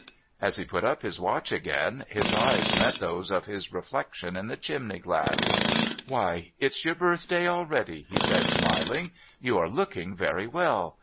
As he put up his watch again, his eyes met those of his reflection in the chimney glass. 'Why, it's your birthday already,' he said, smiling. 'You arc looking very well.